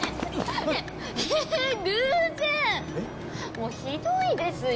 もうひどいですよ